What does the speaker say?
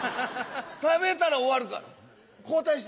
食べたら終わるから交代して。